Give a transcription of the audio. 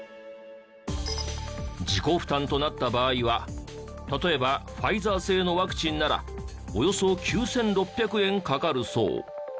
自己負担となった場合は例えばファイザー製のワクチンならおよそ９６００円かかるそう。